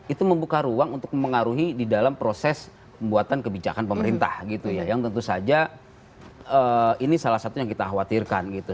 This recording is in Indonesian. itu membuka ruang untuk mengaruhi di dalam proses pembuatan kebijakan pemerintah gitu ya yang tentu saja ini salah satu yang kita khawatirkan gitu